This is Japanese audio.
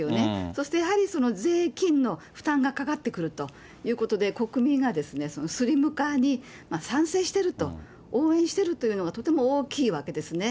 そしてやはりその税金の負担がかかってくるということで、国民がスリム化に賛成していると、応援しているというのがとても大きいわけですね。